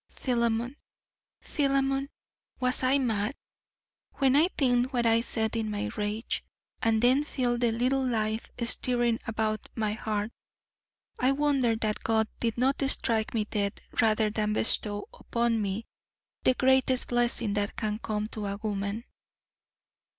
Philemon, Philemon, was I mad? When I think what I said in my rage, and then feel the little life stirring about my heart, I wonder that God did not strike me dead rather than bestow upon me the greatest blessing that can come to woman.